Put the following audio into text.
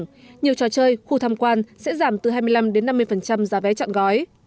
tại thành phố hồ chí minh nhiều trò chơi khu tham quan sẽ giảm từ hai mươi năm đến năm mươi giá vé chặn gói